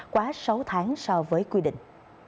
quá sáu tháng so với quy định